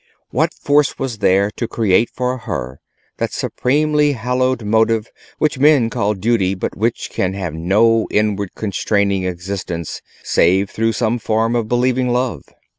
What force was there to create for her that supremely hallowed motive which men call duty, but which can have no inward constraining existence save through some form of believing love?